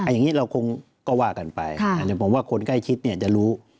อย่างนี้เราก็ว่ากันไปแต่จะบอกว่าคนใกล้ชิดจะรู้